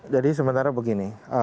jadi sementara begini